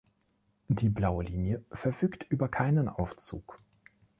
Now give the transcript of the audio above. Die Blaue Linie verfügt über keinen Aufzug.